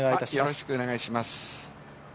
よろしくお願いします。